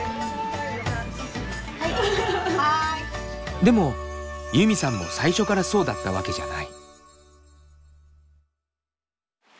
でもユミさんも最初からそうだったわけじゃない。